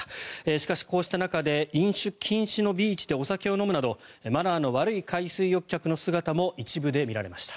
しかし、こうした中で飲酒禁止のビーチでお酒を飲むなどマナーの悪い海水浴客の姿も一部で見られました。